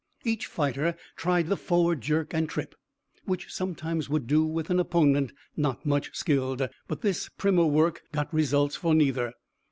Each fighter tried the forward jerk and trip which sometimes would do with an opponent not much skilled; but this primer work got results for neither.